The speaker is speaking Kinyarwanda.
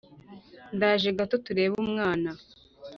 ndaje gato tureba mwana